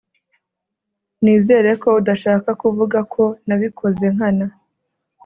Nizere ko udashaka kuvuga ko nabikoze nkana